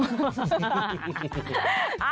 โอ้โฮสมัติกินเลยแหละ